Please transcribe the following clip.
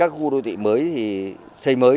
các khu đô thị mới thì xây mới